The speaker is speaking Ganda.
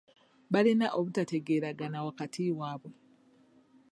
Balina obutategeeragana wakati waabwe.